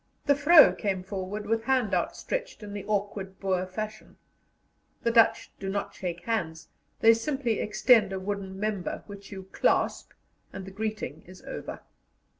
The vrow came forward with hand outstretched in the awkward Boer fashion. The Dutch do not shake hands; they simply extend a wooden member, which you clasp, and the greeting is over.